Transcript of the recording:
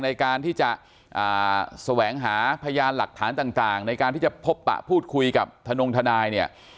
ในการที่จะแสวงหาพยานหลักฐานต่างในการที่จะพบปะพูดคุยกับทนงทนายเนี่ย